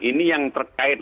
ini yang terkait